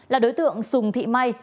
là đối tượng sùng thị may